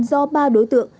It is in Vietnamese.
do ba đối tượng